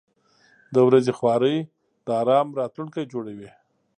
• د ورځې خواري د آرام راتلونکی جوړوي.